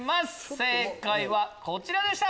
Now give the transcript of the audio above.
正解はこちらでした。